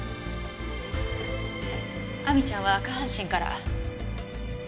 亜美ちゃんは下半身から。